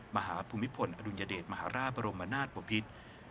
มหาภูมิผลอดุญเดชมหาราชบรมวนาศปวพิศ